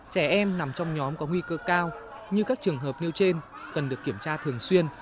trẻ em nằm trong nhóm có nguy cơ cao như các trường hợp nêu trên cần được kiểm tra thường xuyên